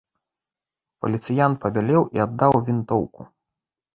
Паліцыянт пабялеў і аддаў вінтоўку.